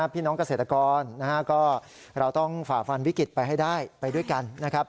พี่น้องเกษตรกรเราต้องฝ่าฟันวิกฤตไปให้ได้ไปด้วยกันนะครับ